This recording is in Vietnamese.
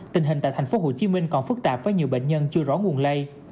tình hình tại thành phố hồ chí minh còn phức tạp với nhiều bệnh nhân chưa rõ nguồn lây